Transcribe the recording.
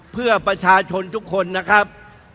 เพื่อประชาชนทุกคนนะครับ